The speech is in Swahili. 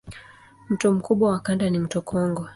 Mto mkubwa wa kanda ni mto Kongo.